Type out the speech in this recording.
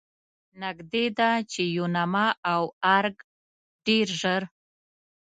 نږدې ده چې یوناما او ارګ ډېر ژر.